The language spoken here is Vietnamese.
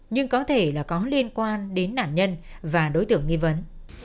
nhưng có thể là có liên quan đến nạn nhân và đối tượng nghi vấn